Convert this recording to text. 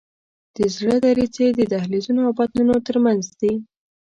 د زړه دریڅې د دهلیزونو او بطنونو تر منځ دي.